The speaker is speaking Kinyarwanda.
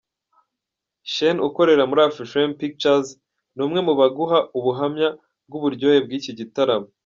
Shane ukorera Afrifame Pictures ni umwe mu baguha ubuhamya bw'uburyohe bw'iki gitaramo.